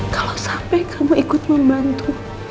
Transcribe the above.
kalau sampai kamu ikut membantu